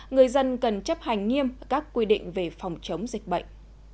người dân cần chấp hành nghiêm các quy định về phòng chống dịch bệnh